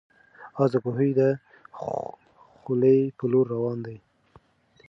آس د کوهي د خولې په لور روان و.